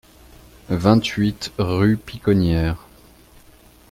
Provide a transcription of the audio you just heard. vingt-huit rue Piconnières